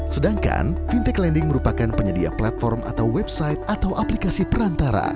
sedangkan fintech lending merupakan penyedia platform atau website atau aplikasi perantara